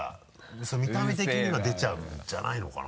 その見ため的にも出ちゃうんじゃないのかな？